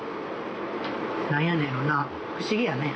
何やねんやろな不思議やね。